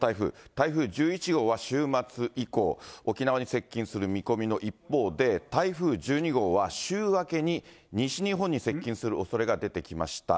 台風１１号は週末以降、沖縄に接近する見込みの一方で、台風１２号は、週明けに西日本に接近するおそれが出てきました。